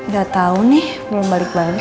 gak tau nih belum balik balik